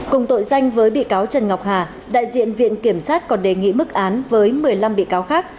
cùng tội danh với bị cáo trần ngọc hà đại diện viện kiểm sát còn đề nghị mức án với một mươi năm bị cáo khác